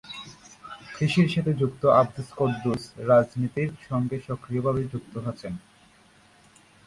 কৃষির সাথে যুক্ত আব্দুল কুদ্দুস রাজনীতির সঙ্গে সক্রিয় ভাবে যুক্ত আছেন।